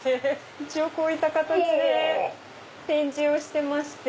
一応こういった形で展示をしてまして。